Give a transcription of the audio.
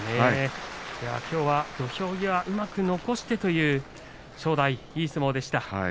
きょうは土俵際うまく残してという正代いい相撲でした。